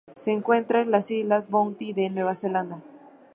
Se encuentra en las Islas Bounty de Nueva Zelanda.